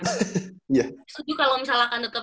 setuju kalau misal akan tetap